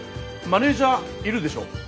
マネージャーいるでしょ？